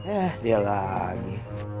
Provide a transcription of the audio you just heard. eh dia lagi